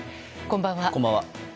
こんばんは。